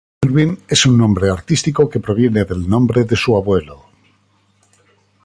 Irvine es un nombre artístico que proviene del nombre de su abuelo.